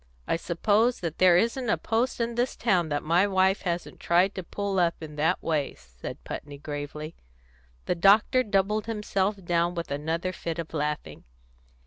"I suppose that there isn't a post in this town that my wife hasn't tried to pull up in that way," said Putney gravely. The doctor doubled himself down with another fit of laughing.